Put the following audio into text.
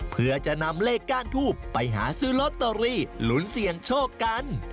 เพื่อจะนำเลขก้านทูบไปหาซื้อลอตเตอรี่หลุนเสี่ยงโชคกัน